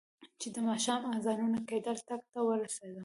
چې د ماښام اذانونه کېدل، ټک ته ورسېدم.